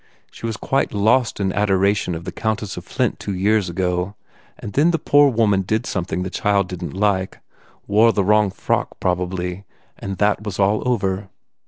She was quite lost in adoration of the Countess of Flint two years ago and then the poor woman did something the child didn t like wore the wrong frock, probably and that was all over.